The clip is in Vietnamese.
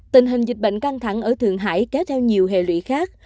tình hình dịch bệnh căng thẳng ở thượng hải kéo theo nhiều hệ lụy khác